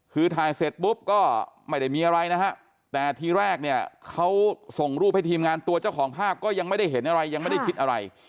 คือถ่ายเสร็จปุ๊บก็ไม่ได้มีอะไรนะฮะแต่ทีแรกเนี่ยเขาส่งรูปให้ทีมงานตัวเจ้าของภาพก็ยังไม่ได้เห็นอะไรยังไม่ได้คิดอะไร